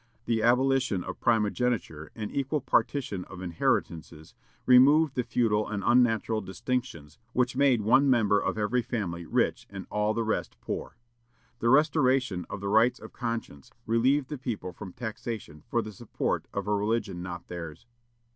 The abolition of primogeniture, and equal partition of inheritances, removed the feudal and unnatural distinctions which made one member of every family rich and all the rest poor.... The restoration of the rights of conscience relieved the people from taxation for the support of a religion not theirs."